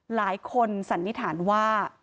หลายคนสันนิษฐานว่า